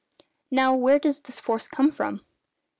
Now, where does this force come from?